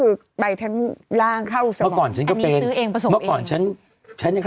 เอาเข้าเส้นนะน้อง